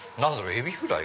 エビフライ？